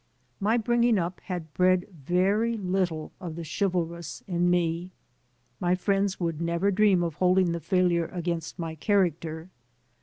My bringing up had bred very little of the chivalrous in me. My friends would never dream of holding the failure against my character.